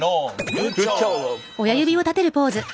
グッジョブ！